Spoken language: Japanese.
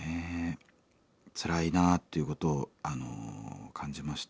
つらいなっていうことを感じました。